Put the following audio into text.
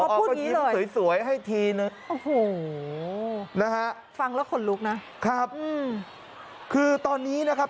แล้วผอก็ยิ้มสวยให้ทีนึงนะครับคือตอนนี้นะครับ